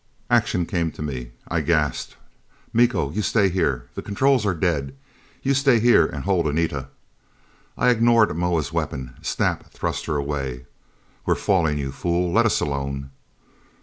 Action came to me. I gasped, "Miko, you stay here! The controls are dead! You stay here and hold Anita " I ignored Moa's weapon. Snap thrust her away. "We're falling, you fool let us alone!"